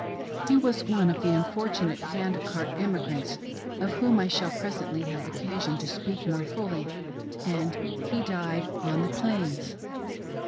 He was one of the unfortunate Hand Cart Emi grants, of whom I shall presently have occasion to speak more fully; and he died on the plains.